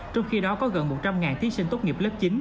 trong khi đó có gần một trăm linh thí sinh tốt nghiệp lớp chín